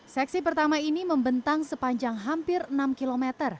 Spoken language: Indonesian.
seksi pertama ini membentang sepanjang hampir enam km